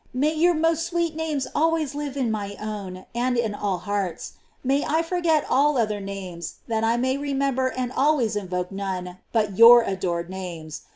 may your most sweet names always live in my own and in all hearts. May I forget all other names, that I may remember and always invoke none but your adored names.